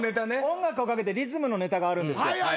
音楽をかけてリズムのネタがあるんですよ。